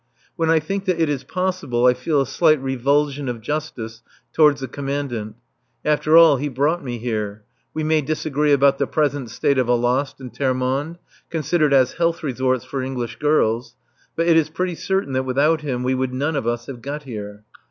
When I think that it is possible I feel a slight revulsion of justice towards the Commandant. After all, he brought me here. We may disagree about the present state of Alost and Termonde, considered as health resorts for English girls, but it is pretty certain that without him we would none of us have got here.